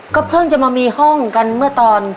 เพิ่งจะมามีห้องกันเมื่อตอน